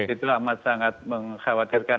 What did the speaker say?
itu amat sangat mengkhawatirkan